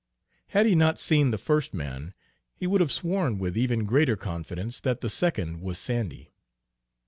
Had he not seen the first man, he would have sworn with even greater confidence that the second was Sandy.